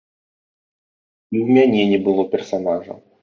І ў мяне не было персанажа.